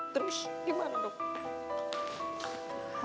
terus gimana dong